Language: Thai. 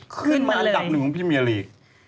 ขึ้นมาเลยขึ้นมาอันดับหนึ่งของพรีเมียร์ลีก